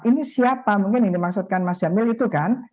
ini siapa mungkin yang dimaksudkan mas jamil itu kan